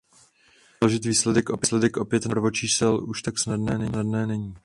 Rozložit výsledek opět na součin prvočísel už tak snadné není.